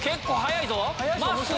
まっすー